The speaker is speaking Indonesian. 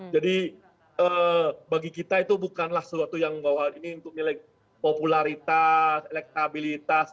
jadi bagi kita itu bukanlah sesuatu yang bawa ini untuk nilai popularitas elektabilitas